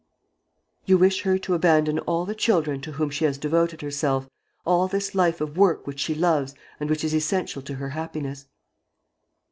"You wish her to abandon all the children to whom she has devoted herself, all this life of work which she loves and which is essential to her happiness?"